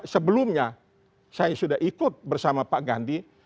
sebelumnya saya sudah ikut bersama pak gandhi